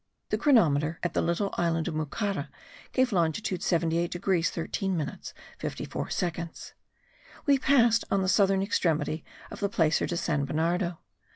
The chronometer, at the little island of Mucara, gave longitude 78 degrees 13 minutes 54 seconds. We passed on the southern extremity of the Placer de San Bernardo.